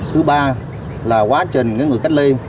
thứ ba là quá trình người cách ly